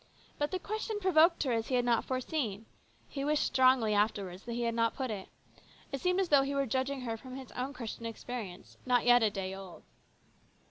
But the question provoked her as he had not foreseen. He wished strongly afterwards that he had not put it. It seemed as though he were judging her from his own Christian experience, not yet a day old.